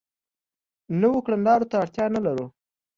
نویو کړنلارو ته اړتیا لرو.